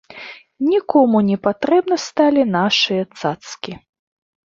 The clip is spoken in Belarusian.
Нікому не патрэбны сталі нашыя цацкі.